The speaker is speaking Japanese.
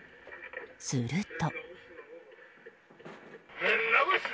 すると。